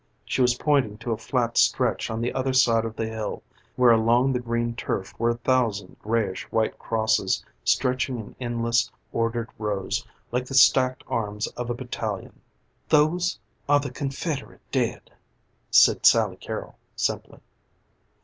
She was pointing to a flat stretch on the other side of the hill where along the green turf were a thousand grayish white crosses stretching in endless, ordered rows like the stacked arms of a battalion. "Those are the Confederate dead," said Sally Carrol simply.